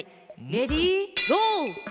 レディーゴー！